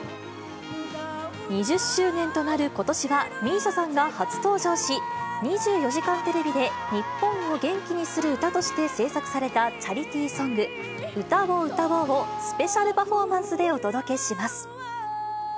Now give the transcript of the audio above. ２０周年となることしは、ＭＩＳＩＡさんが初登場し、２４時間テレビで日本を元気にする歌として制作されたチャリティーソング、歌を歌おうを、スペシャルパフォーマンスでお届けします。